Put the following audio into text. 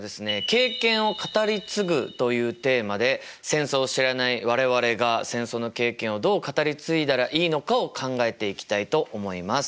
「経験を語り継ぐ」というテーマで戦争を知らない我々が戦争の経験をどう語り継いだらいいのかを考えていきたいと思います。